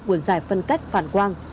của dài phân cách phản quang